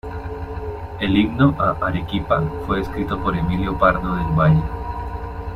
El Himno a Arequipa fue escrito por Emilio Pardo del Valle.